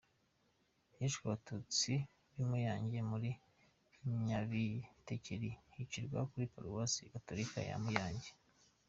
Hishwe Abatutsi b’ i Muyange muri Nyabitekeri bicirwa kuri Paruwasi Gatulika ya Muyange.